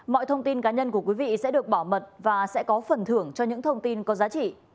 mọi thông tin cá nhân của quý vị sẽ được bảo mật và sẽ có phần thưởng cho những thông tin có giá trị